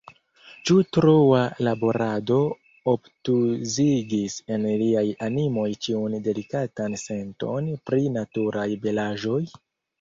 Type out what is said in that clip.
Ĉu troa laborado obtuzigis en iliaj animoj ĉiun delikatan senton pri naturaj belaĵoj?